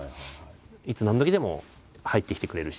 いつ何時でも入ってきてくれるし